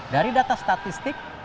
dari data statistik